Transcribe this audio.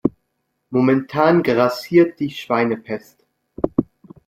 Momentan grassiert die Schweinepest.